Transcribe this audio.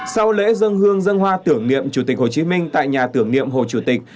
sau lễ dân hương dân hoa tưởng niệm chủ tịch hồ chí minh tại nhà tưởng niệm hồ chủ tịch